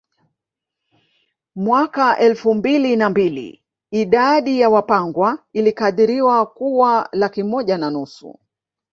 Mwaka elfu mbili na mbili idadi ya Wapangwa ilikadiriwa kuwa laki moja na nusu